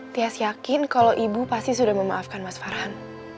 tias yakin kalau ibu pasti sudah memaafkan mas farhan